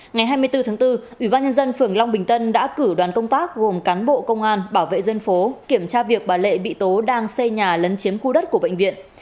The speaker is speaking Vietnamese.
ngày hai mươi bốn tháng bốn ubnd phường long bình tân đã cử đoàn công tác gồm cán bộ công an bảo vệ dân phố kiểm tra việc bà lệ bị tố đang xây nhà lấn chiếm khu đất của bệnh viện